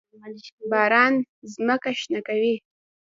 باران ځمکه شنه کوي.